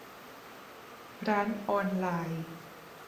ร้านออนไลน์